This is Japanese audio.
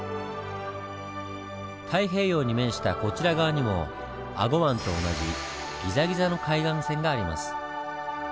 太平洋に面したこちら側にも英虞湾と同じギザギザの海岸線があります。